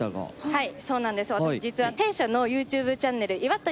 はい。